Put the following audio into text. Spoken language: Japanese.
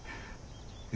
え？